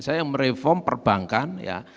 saya reform perbankan